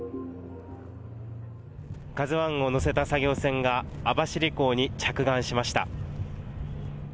ＫＡＺＵＩを載せた作業船が、網走港に着岸しました。